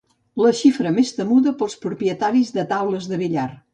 La xifra més temuda pels propietaris de taules de billar.